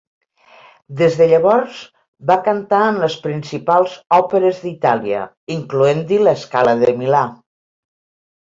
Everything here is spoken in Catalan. Des de llavors va cantar en les principals òperes d'Itàlia, incloent-hi La Scala de Milà.